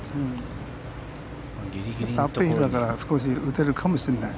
アップヒルだから少し打てるかもしれない。